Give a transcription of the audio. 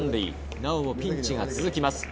なおもピンチが続きます。